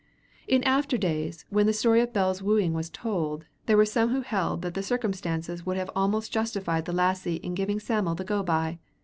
In after days, when the story of Bell's wooing was told, there were some who held that the circumstances would have almost justified the lassie in giving Sam'l the go by.